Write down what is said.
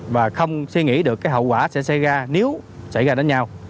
và không suy nghĩ được cái hậu quả sẽ xảy ra nếu xảy ra đánh nhau